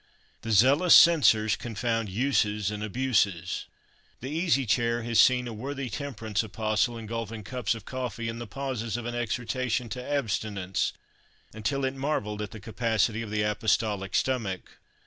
The zealous censors confound uses and abuses. The Easy Chair has seen a worthy temperance apostle ingulfing cups of coffee in the pauses of an exhortation to abstinence, until it marvelled at the capacity of the apostolic stomach.